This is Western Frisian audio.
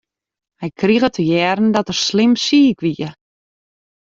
Hy krige te hearren dat er slim siik wie.